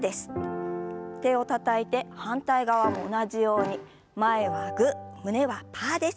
手をたたいて反対側も同じように前はグー胸はパーです。